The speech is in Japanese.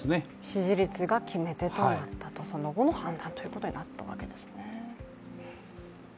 支持率が決め手となったと、その後の判断となったというわけですね。